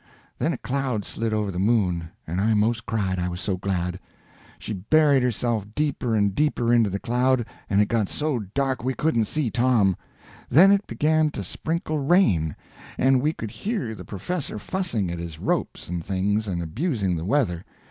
Then a cloud slid over the moon, and I 'most cried, I was so glad. She buried herself deeper and deeper into the cloud, and it got so dark we couldn't see Tom. Then it began to sprinkle rain, and we could hear the professor fussing at his ropes and things and abusing the weather.